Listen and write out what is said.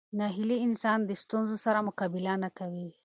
ناهیلي انسان د ستونزو سره مقابله نه کوي.